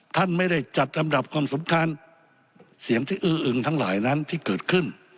ท่านไม่ได้จัดลำดับความสำคัญเสียงที่อื้ออึงทั้งหลายนั้นที่เกิดขึ้น